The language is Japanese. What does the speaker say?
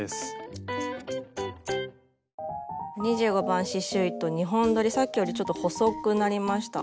２５番刺しゅう糸２本どりさっきよりちょっと細くなりました。